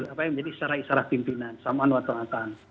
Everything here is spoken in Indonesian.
apa yang jadi secara pimpinan samaan watong atang